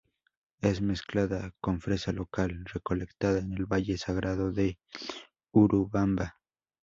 Es mezclada con fresa local, recolectada en el Valle Sagrado de Urubamba.